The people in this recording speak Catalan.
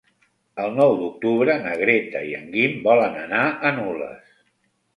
El nou d'octubre na Greta i en Guim volen anar a Nules.